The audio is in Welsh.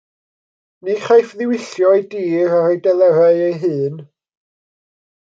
Ni chaiff ddiwyllio ei dir ar ei delerau ei hun.